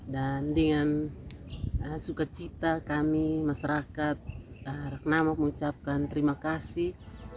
dan dengan suka cita kami masyarakat ragnamo mengucapkan terima kasih